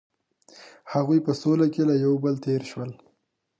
هغوی په سوله کې له یو بل تیر شول.